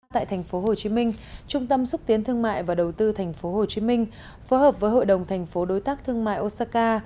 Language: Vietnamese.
tại tp hcm trung tâm xúc tiến thương mại và đầu tư tp hcm phối hợp với hội đồng thành phố đối tác thương mại osaka